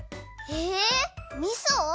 えみそ！？